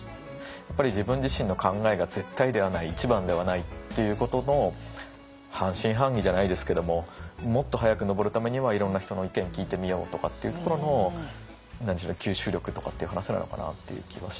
やっぱり自分自身の考えが絶対ではない一番ではないっていうことの半信半疑じゃないですけどももっと早く登るためにはいろんな人の意見聞いてみようとかっていうところの吸収力とかっていう話なのかなっていう気はしますね。